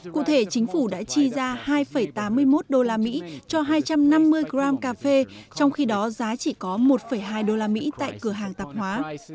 cụ thể chính phủ đã chi ra hai tám mươi một đô la mỹ cho hai trăm năm mươi gram cà phê trong khi đó giá chỉ có một hai usd tại cửa hàng tạp hóa